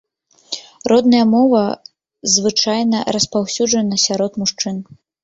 Родная мова звычайна распаўсюджана сярод мужчын.